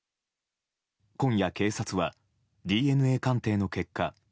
今夜、警察はＤＮＡ鑑定の結果